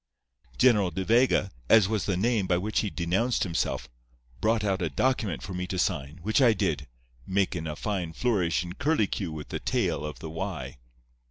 "General De Vega, as was the name by which he denounced himself, brought out a document for me to sign, which I did, makin' a fine flourish and curlycue with the tail of the 'y.